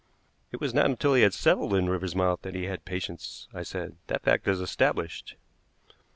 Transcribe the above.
"It was not until he had settled in Riversmouth that he had patients," I said. "That fact is established."